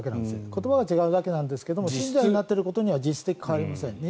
言葉が違うだけなんですが信者になっていることは実質的には変わりません。